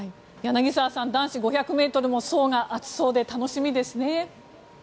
柳澤さん、男子５００ｍも層が厚そうで楽しみですね。